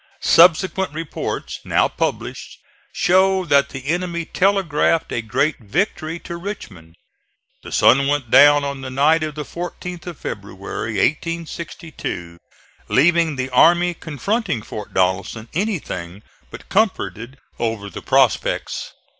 Subsequent reports, now published, show that the enemy telegraphed a great victory to Richmond. The sun went down on the night of the 14th of February, 1862, leaving the army confronting Fort Donelson anything but comforted over the prospects.